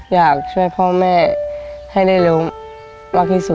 อยากช่วยพ่อแม่ให้ได้รู้มากที่สุด